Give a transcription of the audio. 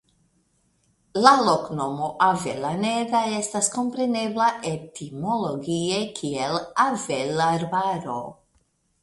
La loknomo "Avellaneda" estas komprenebla etimologie kiel "Avelarbaro".